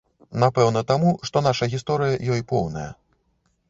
Напэўна, таму, што наша гісторыя ёй поўная.